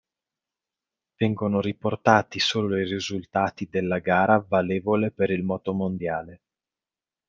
Vengono riportati solo i risultati della gara valevole per il motomondiale.